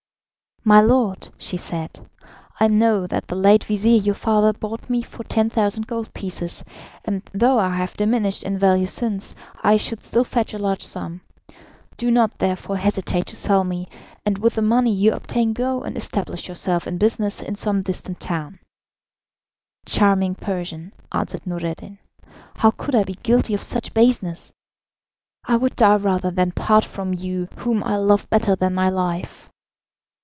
"My lord," she said, "I know that the late vizir, your father, bought me for 10,000 gold pieces, and though I have diminished in value since, I should still fetch a large sum. Do not therefore hesitate to sell me, and with the money you obtain go and establish yourself in business in some distant town." "Charming Persian," answered Noureddin, "how could I be guilty of such baseness? I would die rather than part from you whom I love better than my life."